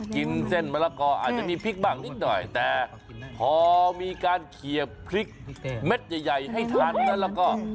กินเส้นมะละกออาจจะมีพริกบ้างนิดหน่อยแต่พอมีการเขียบพริกเม็ดใหญ่ให้ทานแล้วก็